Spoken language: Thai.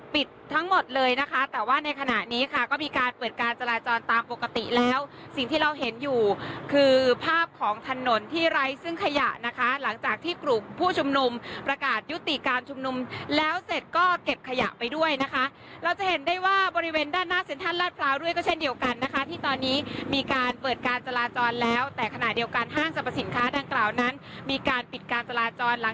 ปิดทั้งหมดเลยนะคะแต่ว่าในขณะนี้ค่ะก็มีการเปิดการจาราจรตามปกติแล้วสิ่งที่เราเห็นอยู่คือภาพของถนนที่ไร้ซึ่งขยะนะคะหลังจากที่กลุ่มผู้ชุมหนุ่มประกาศยุติการชุมหนุ่มแล้วเสร็จก็เก็บขยะไปด้วยนะคะเราจะเห็นได้ว่าบริเวณด้านหน้าเซ็นทร์ธรรมพลาวด้วยก็เช่นเดียวกันนะคะที่ตอนนี้มีการเปิดการจาราจร